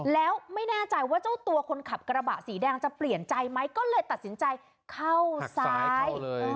แล้วไม่แน่ใจว่าเจ้าตัวคนขับกระบะสีแดงจะเปลี่ยนใจไหมก็เลยตัดสินใจเข้าซ้าย